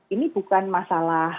ini bukan masalah